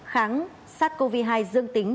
kháng sars cov hai dương tính